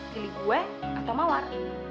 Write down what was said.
pilih gue atau mawar